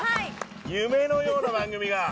夢のような番組が。